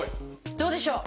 どうでしょう？